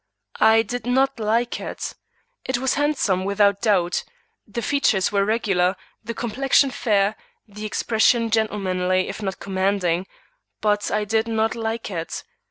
I did not like it. It was handsome without doubt; the features were regular, the complexion fair, the expression gentlemanly if not commanding; but I did not like it.